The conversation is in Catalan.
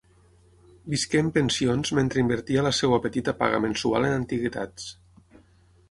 Visqué en pensions mentre invertia la seva petita paga mensual en antiguitats.